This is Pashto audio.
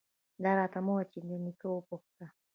_دا مه راته وايه چې له نيکه وپوښته.